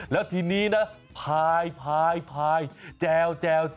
แล้วทีนี้นะพายแจว